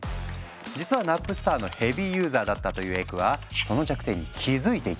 実はナップスターのヘビーユーザーだったというエクはその弱点に気付いていたんだ。